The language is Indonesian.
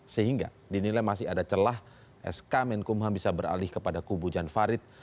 sehingga dinilai masih ada celah sk menkumham bisa beralih kepada kubu jan farid